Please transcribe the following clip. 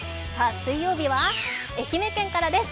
水曜日は愛媛県からです。